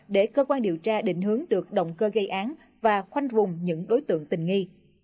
để cơ quan điều tra định hướng được động cơ gây án và khoanh vùng những đối tượng tình nghi